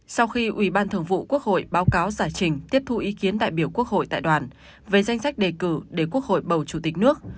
sau khi ubthqh báo cáo giải trình tiếp thu ý kiến đại biểu quốc hội tại đoàn về danh sách đề cử để quốc hội bầu chủ tịch nước